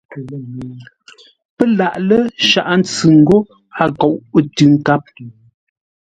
Pə́ lâʼ lə́ Shaghʼə-ntsʉ ńgó a kóʼ tʉ́ ńkáp.